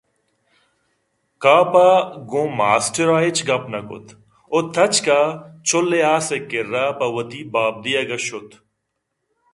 کاف ءَگوں ماسٹرءَ ہچ گپ نہ کُتءُ تچکءَ چُلءِ آسءِ کِرّا پہ وتی باپ دیگ ءَ شت